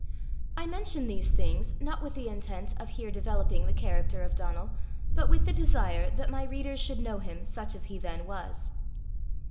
I mention these things not with the intent of here developing the character of Donal, but with the desire that my readers should know him such as he then was.